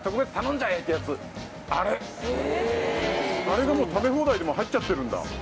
あれがもう食べ放題でも入っちゃってるんだ？